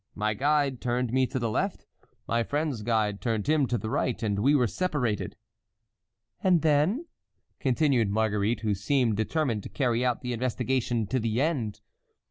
My guide turned me to the left, my friend's guide turned him to the right, and we were separated." "And then?" continued Marguerite, who seemed determined to carry out the investigation to the end.